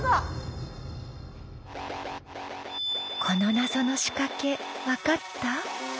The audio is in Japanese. この謎の仕掛け分かった？